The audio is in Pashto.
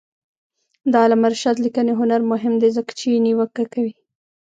د علامه رشاد لیکنی هنر مهم دی ځکه چې نیوکه کوي.